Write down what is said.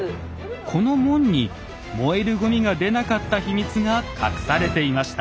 この門に燃えるごみが出なかった秘密が隠されていました。